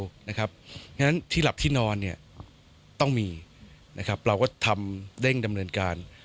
เพราะฉะนั้นที่หลับที่นอนต้องมีเราก็ทำเร่งดำเนินการ